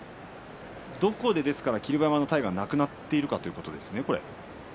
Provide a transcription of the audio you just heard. どこで霧馬山の体がなくなっているかということですね。